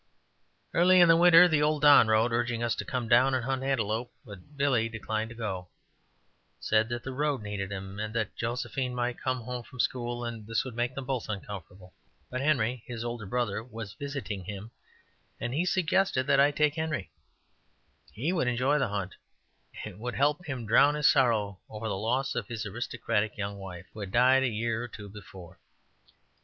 Early in the winter the old Don wrote, urging us to come down and hunt antelope, but Billy declined to go said that the road needed him, and that Josephine might come home from school and this would make them both uncomfortable. But Henry, his older brother, was visiting him, and he suggested that I take Henry; he would enjoy the hunt, and it would help him drown his sorrow over the loss of his aristocratic young wife, who had died a year or two before.